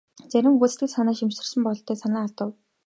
Зарим хүүхэд сэтгэл шимширсэн бололтой санаа алдав.